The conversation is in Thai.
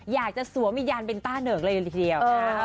อยากจะสวมอิยานเป็นต้าเนิกเลยอยู่ทีเดียว